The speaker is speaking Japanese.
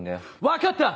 分かった！